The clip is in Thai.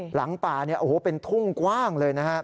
หลังป่าเป็นทุ่งกว้างเลยนะครับ